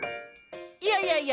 いやいやいや。